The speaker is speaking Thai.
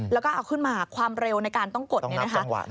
แล้วก็เอาขึ้นมาความเร็วในการต้องกดเนี่ยนะคะ